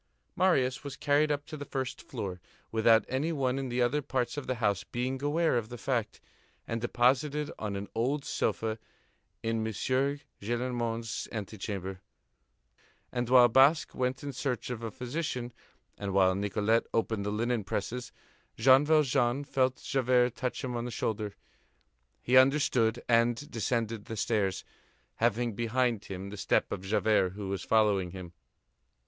Marius was carried up to the first floor, without any one in the other parts of the house being aware of the fact, and deposited on an old sofa in M. Gillenormand's antechamber; and while Basque went in search of a physician, and while Nicolette opened the linen presses, Jean Valjean felt Javert touch him on the shoulder. He understood and descended the stairs, having behind him the step of Javert who was following him.